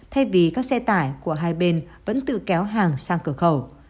thay vì các xe tải của hai bên vẫn tự kéo hàng sang cửa khẩu